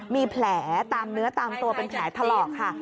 มีแผลตามเนื้อตามตัวเป็นแผลถลอกค่ะ